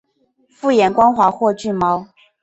复眼光滑或具毛。